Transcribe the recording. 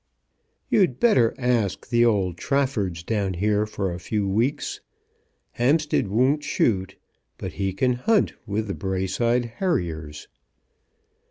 "You'd better ask the old Traffords down here for a few weeks. Hampstead won't shoot, but he can hunt with the Braeside harriers."